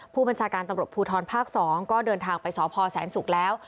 ผู้บัญชาการตำรวจภูทรภาค๒ก็เดินทางไปสพแสนศุกร์แล้ว